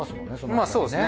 まあそうですね。